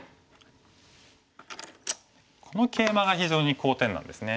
このケイマが非常に好点なんですね。